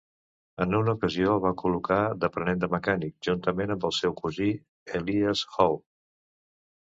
En una ocasió, el van col·locar d'aprenent de mecànic juntament amb el seu cosí Elias Howe.